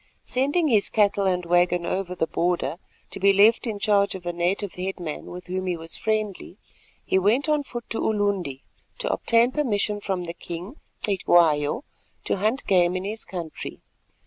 Sending his cattle and waggon over the border to be left in charge of a native headman with whom he was friendly, he went on foot to Ulundi to obtain permission from the king, Cetywayo, to hunt game in his country.